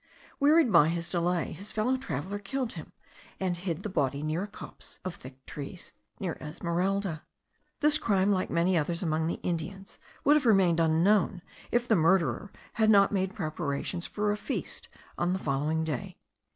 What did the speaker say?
Wearied by his delay, his fellow traveller killed him, and hid the body behind a copse of thick trees, near Esmeralda. This crime, like many others among the Indians, would have remained unknown, if the murderer had not made preparations for a feast on the following day.